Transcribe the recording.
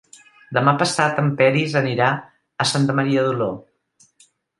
Demà passat en Peris anirà a Santa Maria d'Oló.